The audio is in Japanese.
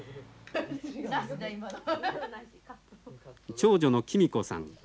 長女の貴実子さん。